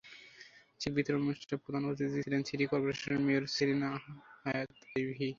Check বিতরণ অনুষ্ঠানের প্রধান অতিথি ছিলেন সিটি করপোরেশনের মেয়র সেলিনা হায়াৎ আইভী।